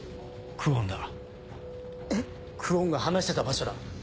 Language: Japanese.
久遠が話してた場所だ。